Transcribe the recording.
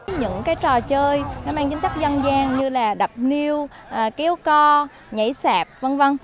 những trò chơi mang chính thức dân gian như đập niu kéo co nhảy sạp v v